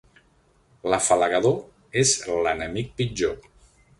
L'afalagador és l'enemic pitjor.